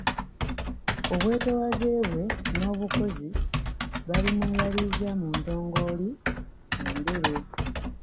Obwetoowaze bwe n'obukozi babimwebaliza mu ntongooli, endere.